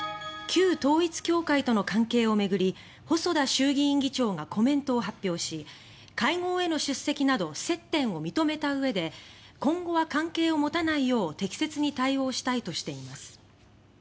旧統一教会との関係を巡り細田衆議院議長がコメントを発表し会合への出席など接点を認めたうえで「今後は関係を持たないよう適切に対応したい」としています。